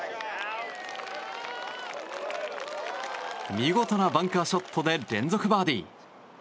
見事なバンカーショットで連続バーディー。